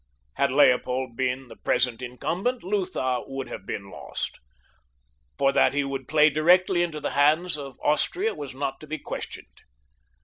Had Leopold been the present incumbent Lutha would have been lost, for that he would play directly into the hands of Austria was not to be questioned.